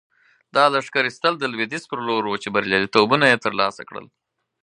دا لښکر ایستل د لویدیځ په لور وو چې بریالیتوبونه یې ترلاسه کړل.